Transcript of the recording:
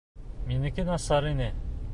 Минеке... насар ине.